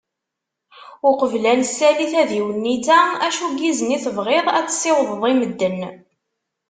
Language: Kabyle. Uqbel ad nesali tadiwennit-a, acu n yizen i tebɣiḍ ad tessiwḍeḍ i medden?